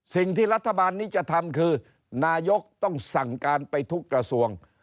สิ่งที่รัฐบาลนี้จะทำคือนายกต้องสั่งการไปทุกกระทรวง